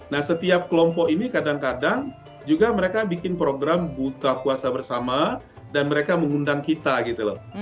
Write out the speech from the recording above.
nah setiap kelompok ini kadang kadang juga mereka bikin program buka puasa bersama dan mereka mengundang kita gitu loh